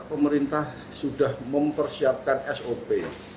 pemerintah sudah mempersiapkan sop